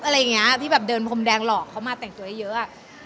อะไรอย่างนี้ที่แบบเดินพรมแดงหลอกเขามาแต่งตัวเยอะ